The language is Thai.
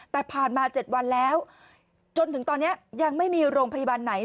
แต่ผ่านมา๗วันแล้วจนถึงตอนนี้ยังไม่มีโรงพยาบาลไหน